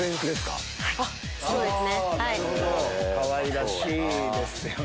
かわいらしいですよ。